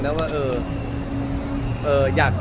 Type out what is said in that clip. อ๋อน้องมีหลายคน